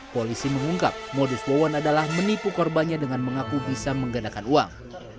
polisi mengungkap modus wawan adalah menipu korbannya dengan mengaku bisa menggandakan uang